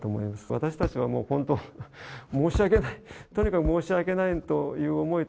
私たちはもう本当、申し訳ない、とにかく申し訳ないという思い。